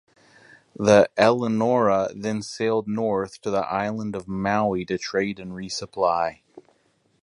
The "Eleanora" then sailed north to the island of Maui to trade and resupply.